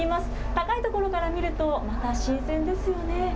高い所から見ると、また新鮮ですよね。